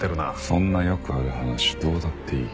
そんなよくある話どうだっていい。